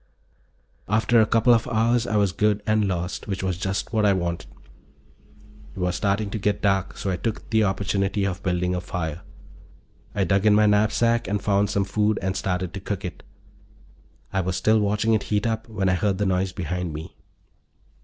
After a couple of hours I was good and lost, which was just what I wanted. It was starting to get dark, so I took the opportunity of building a fire. I dug in my knapsack and found some food and started to cook it. I was still watching it heat up when I heard the noise behind me.